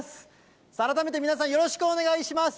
改めて皆さん、よろしくお願いします。